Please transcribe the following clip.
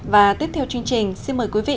và tiếp theo chương trình xin mời quý vị